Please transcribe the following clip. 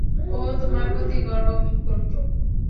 ও তোমায় প্রতি গর্ববোধ করতো।